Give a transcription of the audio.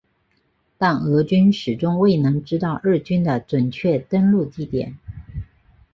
但俄军始终未能知道日军的准确登陆地点。